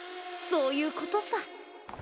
そういうことさ。